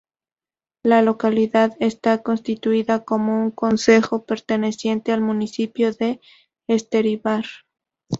La localidad está constituida como un concejo perteneciente al municipio de Esteríbar.